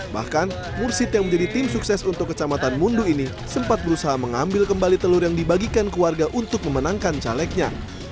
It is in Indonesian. bahkan mursid yang menjadi tim sukses untuk kecamatan mundu ini sempat berusaha mengambil kembali telur yang dibagikan ke warga untuk memenangkan calegnya